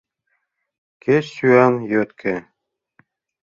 Кеч сӱан йотке...